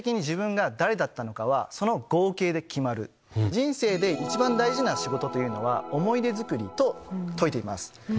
人生で一番大事な仕事は思い出作りと解いています。